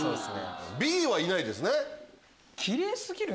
Ｂはいないですね。